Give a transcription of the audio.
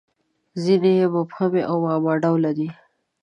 • ځینې یې مبهمې او معما ډوله دي.